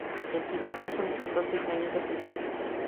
El fiscal solicitó siete años de prisión.